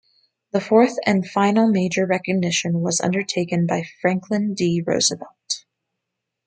The fourth and final major reorganization was undertaken by Franklin D. Roosevelt.